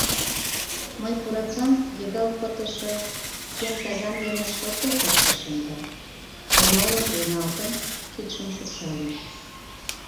Мый пуракан, йыгалт пытыше кем таган дене шылток ыштышым да, турняла шуйналтын, кидшым шупшальым.